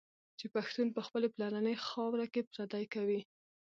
چي پښتون په خپلي پلرنۍ خاوره کي پردی کوي